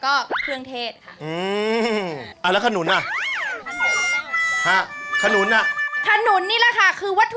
ของคุณค่ะ